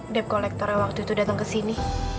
dep kolektora waktu itu datang ke sini